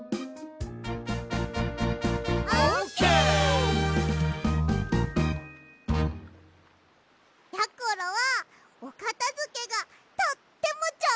オーケー！やころはおかたづけがとってもじょうずなんだよ！